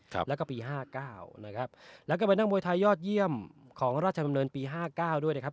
ครับแล้วก็ปีห้าเก้านะครับแล้วก็เป็นนักมวยไทยยอดเยี่ยมของราชดำเนินปีห้าเก้าด้วยนะครับ